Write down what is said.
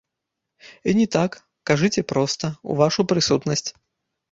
І не так, кажыце проста, у вашу прысутнасць!